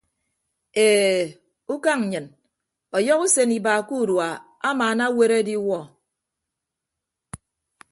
E ukañ nnyịn ọyọhọ usen iba ke urua amaana aweere adiwuọ.